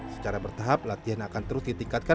secara bertahap latihan akan terus ditingkatkan